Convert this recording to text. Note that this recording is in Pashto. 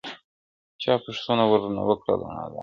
چا پوښتنه ورنه وكړله نادانه-